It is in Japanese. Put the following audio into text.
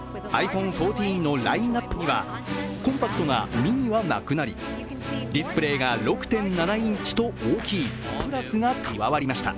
ｉＰｈｏｎｅ１４のラインナップにはコンパクトなｍｉｎｉはなくなりディスプレーが６．７インチと大きいＰｌｕｓが加わりました。